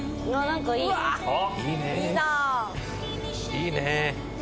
いいね！